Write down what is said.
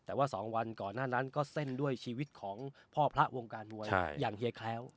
แต่ว่า๒วันก่อนหน้านั้นก็เส้นด้วยชีวิตของพ่อพระวงการมวยอย่างเฮียแคล้ว